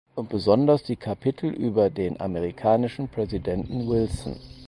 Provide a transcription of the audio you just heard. Und besonders die Kapitel über den amerikanischen Präsidenten Wilson.